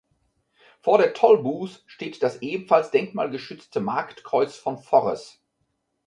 Vor der Tolbooth steht das ebenfalls denkmalgeschützte Marktkreuz von Forres.